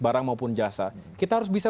barang maupun jasa kita harus bisa